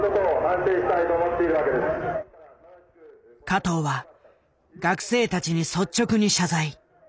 加藤は学生たちに率直に謝罪。